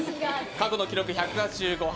過去の記録１８５杯。